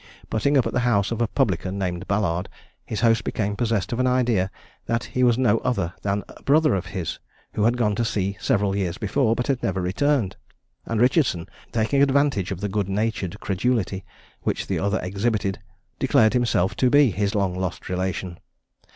Putting up at the house of a publican named Ballard, his host became possessed of an idea that he was no other than a brother of his, who had gone to sea several years before, but had never returned; and Richardson, taking advantage of the good natured credulity which the other exhibited, declared himself to be his long lost relation.